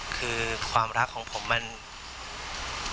คือความรักของผมมันเจือจางลง